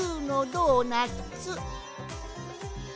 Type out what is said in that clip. ドーナツ！